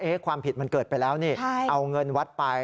ความผิดมันเกิดไปแล้วนี่เอาเงินวัดไป